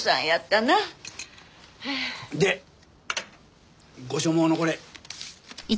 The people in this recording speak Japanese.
でご所望のこれ。